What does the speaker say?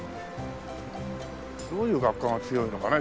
どういう学科が強いのかね？